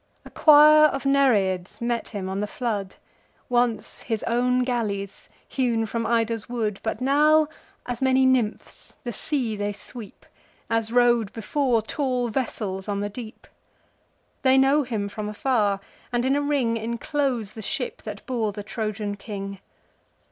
A choir of Nereids meet him on the flood, Once his own galleys, hewn from Ida's wood; But now, as many nymphs, the sea they sweep, As rode, before, tall vessels on the deep. They know him from afar; and in a ring Enclose the ship that bore the Trojan king.